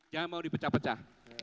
jangan mau dipecah pecah